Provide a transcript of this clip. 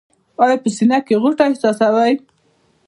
ایا په سینه کې غوټه احساسوئ؟